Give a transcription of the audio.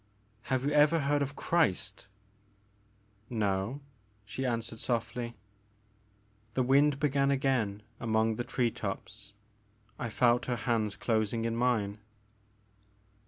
*' Have you ever heard of Christ ?"No," she answered softly. The wind began again among the tree tops. I felt her hands closing in mine.